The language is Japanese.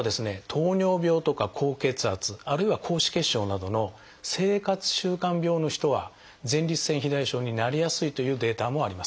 糖尿病とか高血圧あるいは高脂血症などの生活習慣病の人は前立腺肥大症になりやすいというデータもあります。